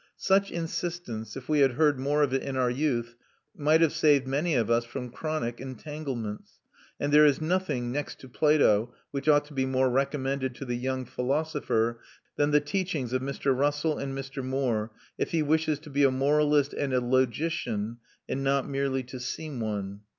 Such insistence, if we had heard more of it in our youth, might have saved many of us from chronic entanglements; and there is nothing, next to Plato, which ought to be more recommended to the young philosopher than the teachings of Messrs. Russell and Moore, if he wishes to be a moralist and a logician, and not merely to seem one.